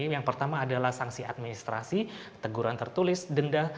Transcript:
yang pertama adalah sanksi administrasi teguran tertulis denda